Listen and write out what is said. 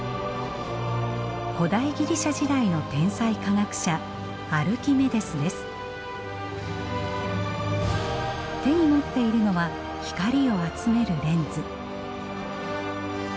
古代ギリシャ時代の天才科学者手に持っているのは光を集めるレンズ。